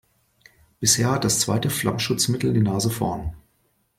Bisher hat das zweite Flammschutzmittel die Nase vorn.